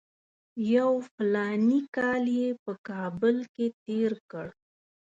یو فلاني کال یې په کابل کې تېر کړ.